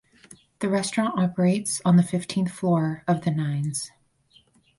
The restaurant operates on the fifteenth floor of The Nines.